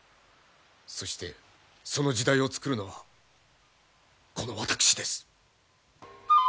そしてその時代をつくるのはこの私です！